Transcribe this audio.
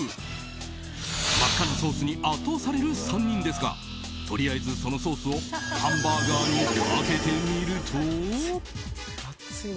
真っ赤なソースに圧倒される３人ですがとりあえず、そのソースをハンバーガーにかけてみると。